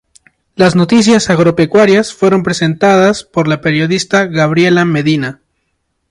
Las noticias agropecuarias fueron presentadas por la periodista Gabriela Medina.